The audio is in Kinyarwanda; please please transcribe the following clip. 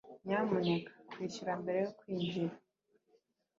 nyamuneka kwishyura mbere yo kwinjira!